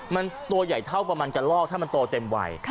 มันตัวใหญ่เท่าประมาณกระลอกถ้ามันโตเต็มวัย